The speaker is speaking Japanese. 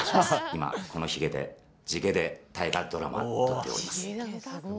今このひげで、地毛で大河ドラマ、撮っております。